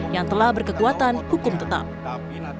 yang telah berkekuatan hukum tetap